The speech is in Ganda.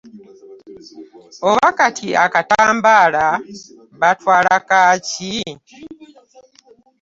Oba kati akatambaala baatwala kaaki?